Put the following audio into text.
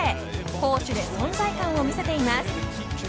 攻守で存在感を見せています。